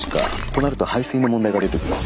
となると排水の問題が出てくる。